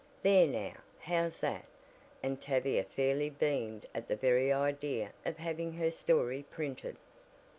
There now, how's that?" and Tavia fairly beamed at the very idea of having her "story" printed.